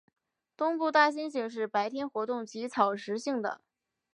东部大猩猩是白天活动及草食性的。